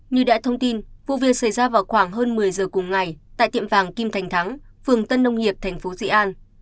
như đã thông tin vụ việc xảy ra vào khoảng hơn một mươi giờ cùng ngày tại tiệm vàng kim thành thắng phường tân nông hiệp tp di an